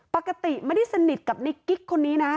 ปกติไม่ได้สนิทกับในกิ๊กคนนี้นะ